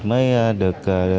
mới đảm bảo điều trị tốt nhất